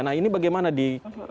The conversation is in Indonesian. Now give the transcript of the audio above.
nah ini bagaimana di